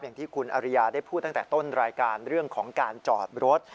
อย่างที่คุณอริยาได้พูดตั้งแต่ต้นรายการเรื่องของการจอดรถ